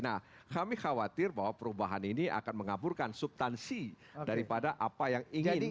nah kami khawatir bahwa perubahan ini akan mengaburkan subtansi daripada apa yang ingin